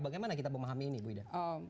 bagaimana kita memahami ini bu ida